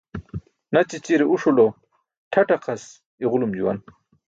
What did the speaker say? Naćićire uṣu lo ṭʰaṭaqas i̇ġulum juwan.